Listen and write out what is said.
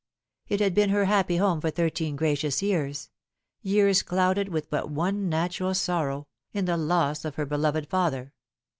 It had been her happy home for thirteen gracious years years clouded with but one natural sorrow, in the loss of her beloved father.